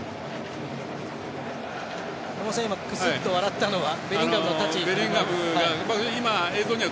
山本さん、今くすっと笑ったのはベリンガムのタッチですか？